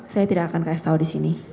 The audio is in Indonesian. saya tidak akan kasih tau disini